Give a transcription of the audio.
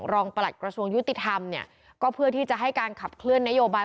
ประหลัดกระทรวงยุติธรรมเนี่ยก็เพื่อที่จะให้การขับเคลื่อนนโยบาย